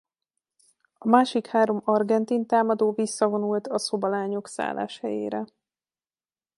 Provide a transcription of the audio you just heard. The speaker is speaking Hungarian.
A másik három argentin támadó visszavonult a szobalányok szálláshelyére.